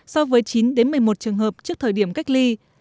so với chín đến một mươi một trường hợp trước thời điểm cách ly